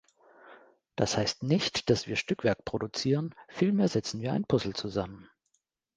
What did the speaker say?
Das heißt nicht, dass wir Stückwerk produzieren, vielmehr setzen wir ein Puzzle zusammen.